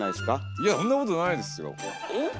いやそんなことないですよ。